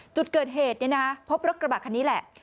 จุดเกิดเหตุพบรถกระบะคันนี้แหละ